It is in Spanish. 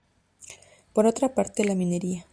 Por otra parte la minería.